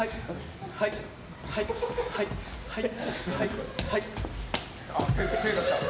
はい、はい、はい。